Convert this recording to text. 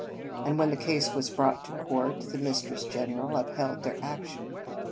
And when the case was brought to court, the Mis tress General upheld their action.